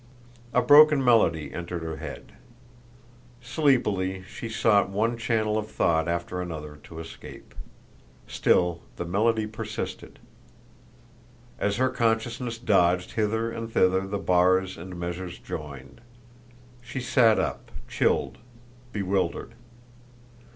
A broken melody entered her head. Sleepily she sought one channel of thought after another to escape; still the melody persisted. As her consciousness dodged hither and thither the bars and measures joined.... She sat up, chilled, bewildered.